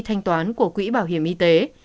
thành toán của quỹ bảo hiểm y tế